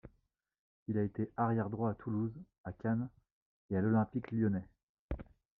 Il a été arrière droit à Toulouse, à Cannes et à l'Olympique lyonnais.